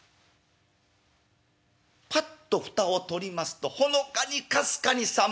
パッと蓋を取りますとほのかにかすかにさんまの香り。